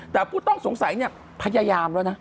แต่ผู้ต้องสงสัยเนี่ยพยายามแล้วนะ